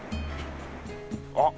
あっ！